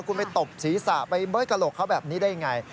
คุณไปตบศีรษะไปเบิ้ลกระโหลกเขาแบบนี้ได้ยังไง